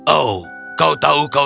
oh kau tahu kau